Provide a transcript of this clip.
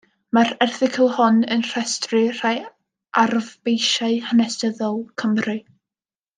Mae'r erthygl hon yn rhestru rhai arfbeisiau hanesyddol Cymru.